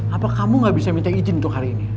apa kamu gak bisa minta izin untuk hari ini